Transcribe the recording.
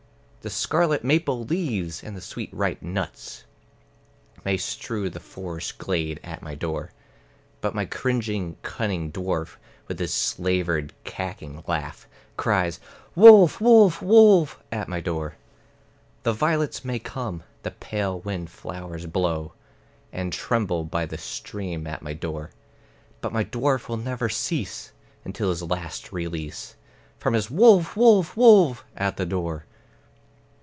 The scarlet maple leaves and the sweet ripe nuts, May strew the forest glade at my door, But my cringing cunning dwarf, with his slavered kacking laugh, Cries "Wolf, wolf, wolf!" at my door. The violets may come, the pale wind flowers blow, And tremble by the stream at my door; But my dwarf will never cease, until his last release, From his "Wolf, wolf, wolf!" at the door.